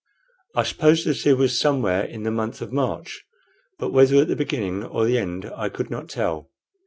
I supposed that it was somewhere in the month of March, but whether at the beginning or the end I could not tell.